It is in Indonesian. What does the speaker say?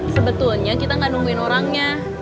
sebetulnya kita nggak nungguin orangnya